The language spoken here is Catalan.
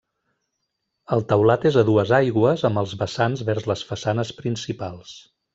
El teulat és a dues aigües amb els vessants vers les façanes principals.